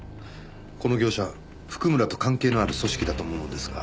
この業者譜久村と関係のある組織だと思うのですが。